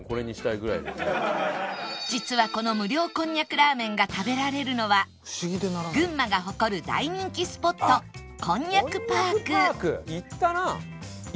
実はこの無料こんにゃくラーメンが食べられるのは群馬が誇る大人気スポットこんにゃくパーク